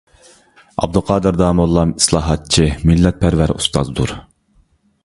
ئابدۇقادىر داموللام ئىسلاھاتچى، مىللەتپەرۋەر ئۇستازدۇر.